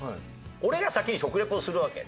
俺が先に食リポをするわけ。